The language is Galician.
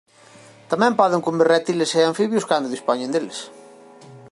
Tamén poden comer réptiles e anfibios cando dispoñen deles.